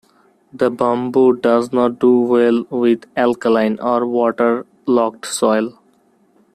The bamboo does not do well with alkaline or water-logged soil.